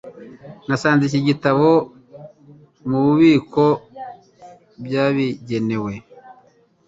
Nasanze iki gitabo mububiko bwibitabo byabigenewe.